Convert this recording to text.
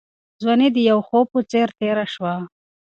ځواني د یو خوب په څېر تېره شوه.